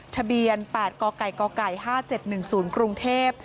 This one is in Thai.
ทะเบียน๘กก๕๗๑๐กรุงเทพฯ